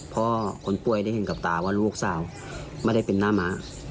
คนป่วยได้เห็นกับตาว่าลูกสาวไม่ได้เป็นหน้าม้า